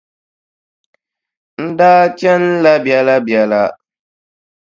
N daa chanila biɛlabiɛla.